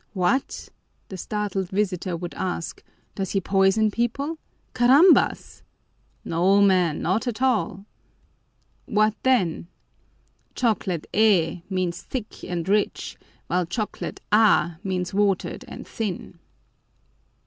"What!" the startled visitor would ask, "does he poison people? Carambas!" "No, man, not at all!" "What then?" "'Chocolate_, eh!_' means thick and rich, while 'chocolate, ah!' means watered and thin."